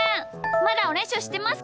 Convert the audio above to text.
まだおねしょしてますか？